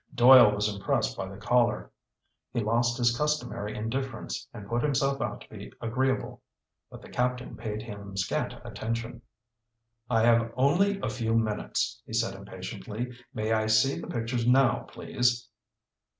Doyle was impressed by the caller. He lost his customary indifference and put himself out to be agreeable. But the captain paid him scant attention. "I have only a few minutes," he said impatiently. "May I see the pictures now, please?"